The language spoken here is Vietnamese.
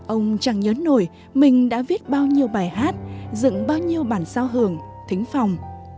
ông chẳng nhớ nổi mình đã viết bao nhiêu bài hát dựng bao nhiêu bản sao hưởng thính phòng